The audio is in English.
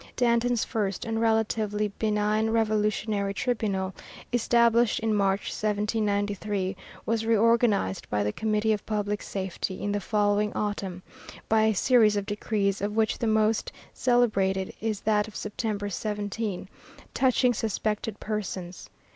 Danton's first and relatively benign revolutionary tribunal, established in March, 1793, was reorganized by the Committee of Public Safety in the following autumn, by a series of decrees of which the most celebrated is that of September 17, touching suspected persons.